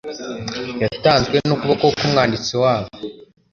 yatanzwe n'ukuboko k'umwanditsi wabo